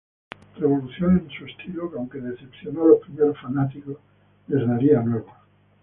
Revolución en su estilo que, aunque decepcionó a los primeros fanáticos, les daría nuevos.